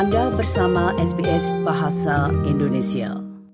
anda bersama sbs bahasa indonesia